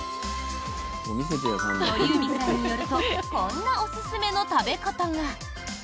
鳥海さんによるとこんなおすすめの食べ方が。